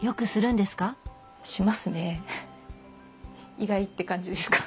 意外って感じですか？